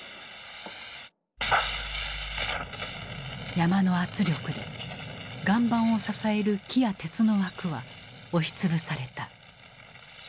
山の圧力で岩盤を支える木や鉄の枠は押し潰された。